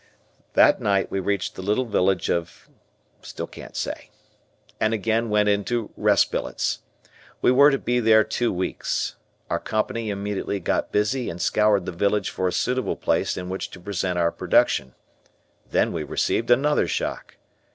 That night we reached the little village of S and again went into rest billets. We were to be there two weeks. Our Company immediately got busy and scoured the village for a suitable place in which to present our production. Then we received another shock.